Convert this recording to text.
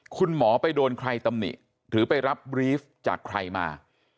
คุณหมอไปโดนใครตำหนิหรือไปรับบรีฟจากใครมา